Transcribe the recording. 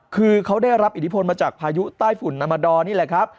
คือเขาได้รับอิทธิพลมาจากพายุใต้ฝุ่นนามาดอร์นี่แหละครับ